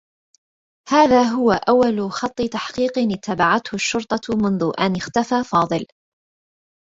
هذا هو أوّل خطّ تحقيق اتّبعته الشّرطة منذ أن اختفى فاضل.